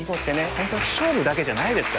本当勝負だけじゃないですからね。